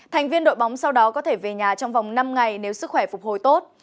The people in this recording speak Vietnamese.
thành viên đội bóng sau đó có thể về nhà trong vòng năm ngày nếu sức khỏe phục hồi tốt